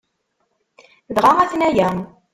Dɣa aten-aya!